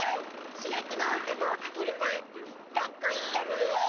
主役の小佐藤カケルさんかっこいいよね！